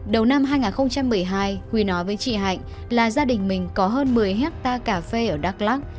đầu năm hai nghìn một mươi hai huy nói với chị hạnh là gia đình mình có hơn một mươi hectare cà phê ở đắk lắc